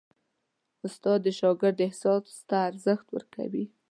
استاد د شاګرد احساس ته ارزښت ورکوي.